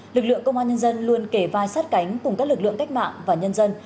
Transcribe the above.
lực lượng công an nhân dân luôn kể vai sát cánh cùng các lực lượng cách mạng và nhân dân